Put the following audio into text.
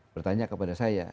bertanya kepada saya